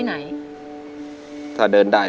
ขอบคุณสุขสิทธิ์